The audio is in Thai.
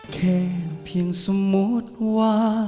แค่เพียงสมมติว่า